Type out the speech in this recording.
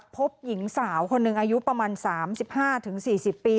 พบหญิงสาวคนหนึ่งอายุประมาณ๓๕๔๐ปี